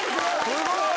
すごーい！